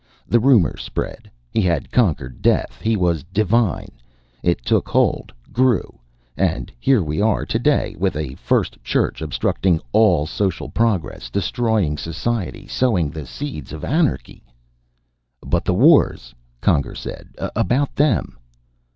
The rumor spread; he had conquered death, he was divine. It took hold, grew. And here we are today, with a First Church, obstructing all social progress, destroying society, sowing the seeds of anarchy " "But the wars," Conger said. "About them?"